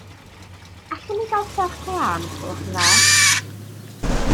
Allwn ni gael fforc lân os gwelwch yn dda.